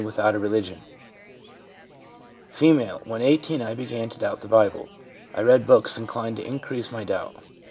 without a religion/ F. 'When 18 I began to doubt the Bible. I read books inclined to increase my doubt.